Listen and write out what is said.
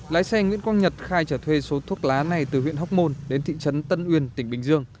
lái xe nguyễn quang nhật khai trả thuê số thuốc lá này từ huyện hóc môn đến thị trấn tân uyên tỉnh bình dương